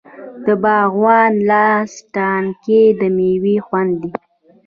د باغوان لاس تڼاکې د میوې خوند دی.